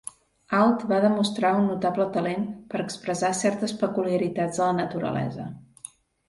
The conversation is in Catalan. Alt va demostrar un notable talent per expressar certes peculiaritats de la naturalesa.